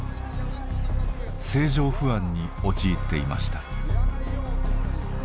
政情不安に陥っていました。